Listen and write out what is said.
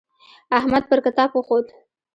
احمد پر کتاب وخوت.